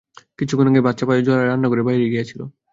কিছুক্ষণ আগে ভাত চাপাইয়া জয়া রান্নাঘরের বাহিরে গিয়াছিল।